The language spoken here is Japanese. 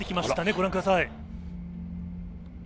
ご覧ください。